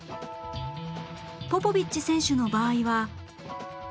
ポポビッチ選手の場合は